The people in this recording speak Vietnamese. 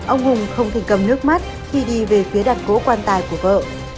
ông hùng không thỉnh cầm nước mắt khi đi về phía đặt cố quan tài của vợ